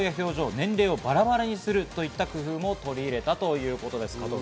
年齢をバラバラにするといった工夫も取り入れたということです。